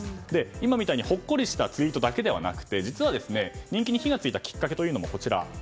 今みたいにほっこりしたツイートだけではなくて実は、人気に火が付いたきっかけがこちら。